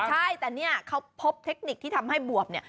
ใช่แต่เนี่ยเขาพบเทคนิคที่ทำให้บวบ